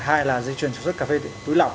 hai là dây chuyền sản xuất cà phê túi lọc